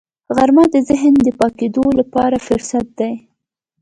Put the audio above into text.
غرمه د ذهن د پاکېدو لپاره فرصت دی